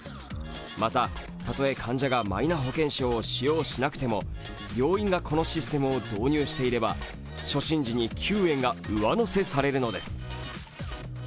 また、たとえ患者がマイナ保険証を使用しなくても病院がこのシステムを導入していれば、初診時に９円が上乗せされるのです